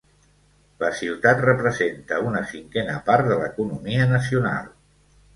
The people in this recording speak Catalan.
La ciutat representa una cinquena part de l'economia nacional.